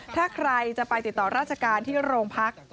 ถ้าใครจะไปติดต่อราชการที่โรงพัก